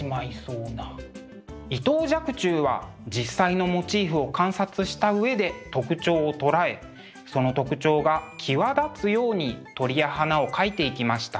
伊藤若冲は実際のモチーフを観察した上で特徴を捉えその特徴が際立つように鳥や花を描いていきました。